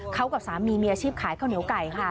เขากับสามีมีอาชีพขายข้าวเหนียวไก่ค่ะ